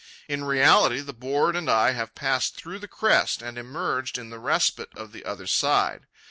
In reality the board and I have passed through the crest and emerged in the respite of the other side.